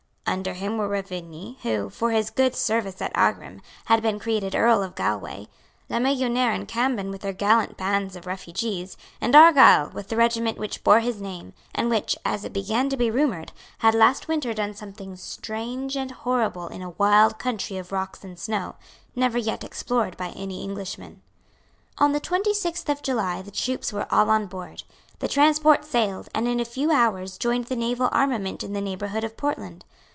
Under him were Ruvigny, who, for his good service at Aghrim, had been created Earl of Galway, La Melloniere and Cambon with their gallant bands of refugees, and Argyle with the regiment which bore his name, and which, as it began to be rumoured, had last winter done something strange and horrible in a wild country of rocks and snow, never yet explored by any Englishman. On the twenty sixth of July the troops were all on board. The transports sailed, and in a few hours joined the naval armament in the neighbourhood of Portland.